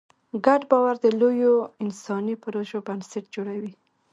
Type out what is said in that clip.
ګډ باور د لویو انساني پروژو بنسټ جوړوي.